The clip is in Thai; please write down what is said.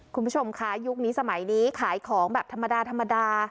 คุณผู้ชมคะยุคนี้สมัยนี้ขายของแบบธรรมดาธรรมดา